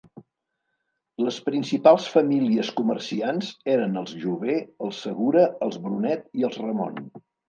Les principals famílies comerciants eren els Jover, els Segura, els Brunet i els Ramon.